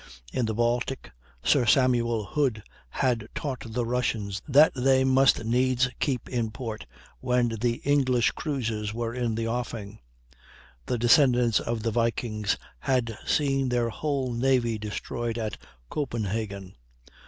In the Baltic, Sir Samuel Hood had taught the Russians that they must needs keep in port when the English cruisers were in the offing. The descendants of the Vikings had seen their whole navy destroyed at Copenhagen.